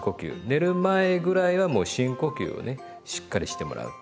寝る前ぐらいはもう深呼吸をねしっかりしてもらう。